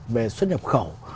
về xuất nhập khẩu